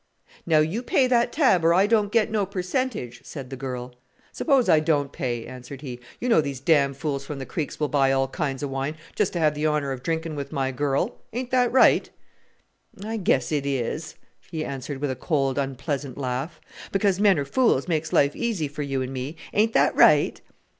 "Now you pay that tab, or I don't get no percentage," said the girl. "Suppose I don't pay," answered he: "you know these damn fools from the creeks will buy all kinds of wine just to have the honour of drinking with my girl ain't that right?" "I guess it is," she answered, with a cold unpleasant laugh. "Because men are fools makes life easy for you and me ain't that right?"